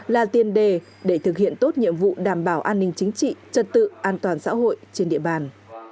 là tiền đề để thực hiện tốt nhiệm vụ đảm bảo an ninh chính trị trật tự an toàn xã hội trên địa bàn